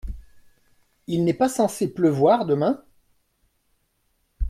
Il n’est pas censé pleuvoir demain ?